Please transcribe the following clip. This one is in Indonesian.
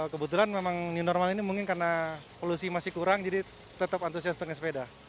kebetulan memang new normal ini mungkin karena polusi masih kurang jadi tetap antusias dengan sepeda